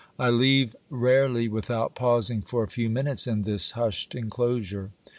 I leave rarely without pausing for a few minutes in this hushed enclosure.